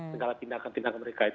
segala tindakan tindakan mereka itu